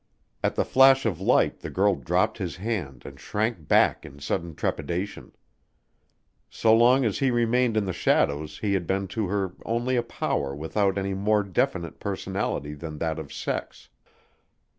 At the flash of light the girl dropped his hand and shrank back in sudden trepidation. So long as he remained in the shadows he had been to her only a power without any more definite personality than that of sex.